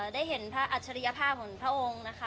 ได้เห็นพระอัจฉริยภาพของพระองค์นะคะ